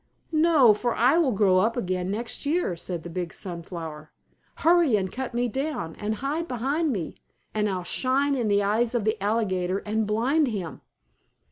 "No, for I will grow up again next year," said the big sunflower. "Hurry and cut me down, and hide behind me, and I'll shine in the eyes of the alligator and blind him."